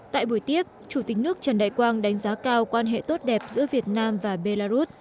tại buổi tiếp chủ tịch nước trần đại quang đánh giá cao quan hệ tốt đẹp giữa việt nam và belarus